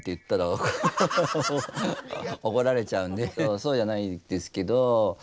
そうじゃないんですけど。